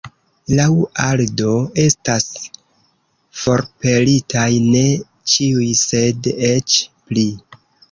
Laŭ Aldo estas forpelitaj ne ĉiuj sed eĉ pli.